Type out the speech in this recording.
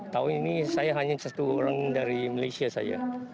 tahun ini saya hanya satu orang dari malaysia saja